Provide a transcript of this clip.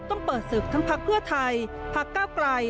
ต้องเปิดศึกทั้งพักเพื่อไทยพักก้าวไกล